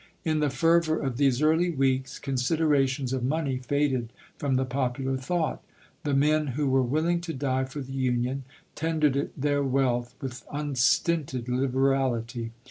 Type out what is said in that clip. In the fervor of these early weeks, considerations of money faded from the popular thought. The men who were willing to die for the Union, tendered it their wealth with unstinted liberality.